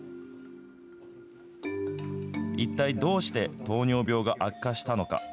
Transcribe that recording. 一体どうして糖尿病が悪化したのか。